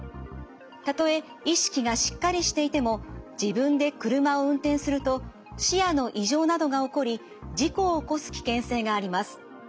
たとえ意識がしっかりしていても自分で車を運転すると視野の異常などが起こり事故を起こす危険性があります。